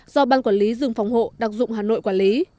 do ban quản lý rừng phòng hộ đặc dụng hà nội quản lý